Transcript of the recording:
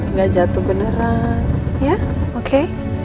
nggak jatuh beneran ya oke